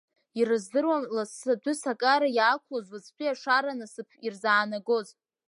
Ирыз-дырамызт лассы адәысакара иаақәлоз уаҵәтәи ашара насыԥс ирзаанагоз.